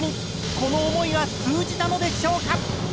この思いは通じたのでしょうか？